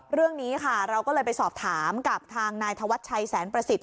เรื่องนี้ค่ะเราก็เลยไปสอบถามกับทางนายธวัชชัยแสนประสิทธิ